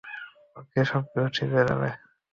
ওকে, সবকিছু ঠিক হয়ে যাবে।